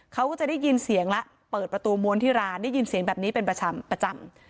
เขาก็จะได้ยินเสียงแล้วเปิดประตูม้วนที่ร้านได้ยินเสียงแบบนี้เป็นประจำประจำ